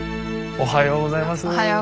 おはようございます。